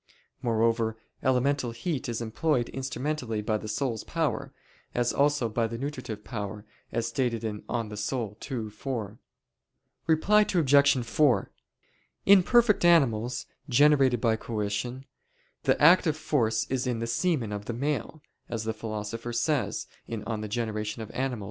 Moreover, elemental heat is employed instrumentally by the soul's power, as also by the nutritive power, as stated (De Anima ii, 4). Reply Obj. 4: In perfect animals, generated by coition, the active force is in the semen of the male, as the Philosopher says (De Gener. Animal.